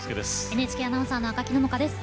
ＮＨＫアナウンサーの赤木野々花です。